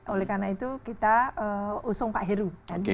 oleh karena itu kita usung pak heru tadi